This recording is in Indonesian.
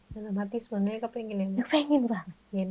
selamat suami kau ingin ya